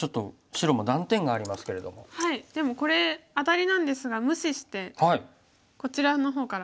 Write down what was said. でもこれアタリなんですが無視してこちらの方から。